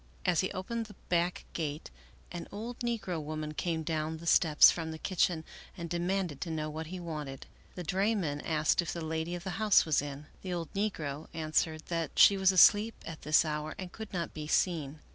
As he opened the back gate an old negro woman came down the steps from the kitchen and demanded to know what he wanted. The drayman asked if the lady of the house was in. The old negro an swered that she was asleep at this hour and could not be seen.